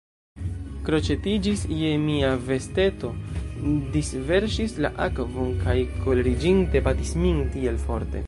Kroĉetiĝis je mia vesteto, disverŝis la akvon kaj koleriĝinte batis min tiel forte.